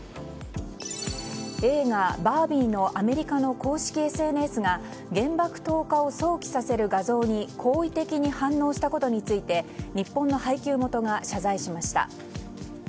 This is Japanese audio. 映画「バービー」のアメリカの公式ＳＮＳが原爆投下を想起させる画像に好意的に反応したことについて日本の配給元が謝罪しました。